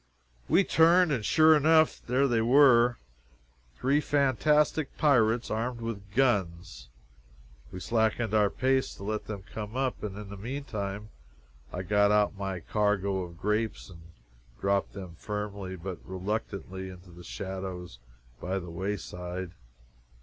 We turned, and, sure enough, there they were three fantastic pirates armed with guns. We slackened our pace to let them come up, and in the meantime I got out my cargo of grapes and dropped them firmly but reluctantly into the shadows by the wayside.